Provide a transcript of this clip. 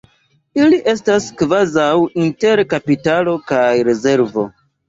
Ili estas kvazaŭ inter kapitalo kaj rezervo.